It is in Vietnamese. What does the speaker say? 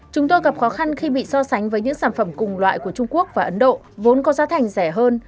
chúng tôi gặp khó khăn khi bị so sánh với những sản phẩm cùng loại của trung quốc và ấn độ vốn có giá thành rẻ hơn